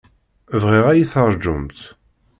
Bɣiɣ ad yi-terjumt.